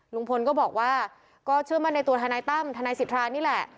ลุงพลก็บอกว่าก็เชื่อมั่นในตัวทนายตั้มทนายสิทธานี่แหละ